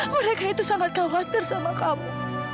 mereka itu sangat khawatir sama kamu